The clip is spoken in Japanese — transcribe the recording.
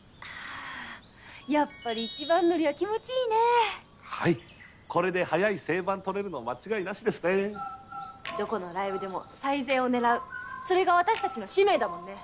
やっぱり一番乗りは気持ちいいねはいこれで早い整番取れるの間違いなしですねどこのライブでも最前を狙うそれが私たちの使命だもんね